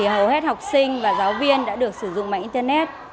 hầu hết học sinh và giáo viên đã được sử dụng mạng internet